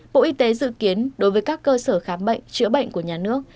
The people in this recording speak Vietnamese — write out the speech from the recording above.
bộ y tế dự kiến đối với các cơ sở khám bệnh chữa bệnh của nhà nước